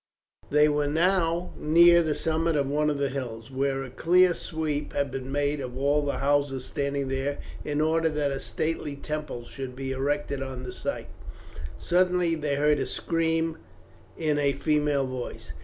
They were now near the summit of one of the hills, where a clear sweep had been made of all the houses standing there in order that a stately temple should be erected on the site. Suddenly they heard a scream in a female voice.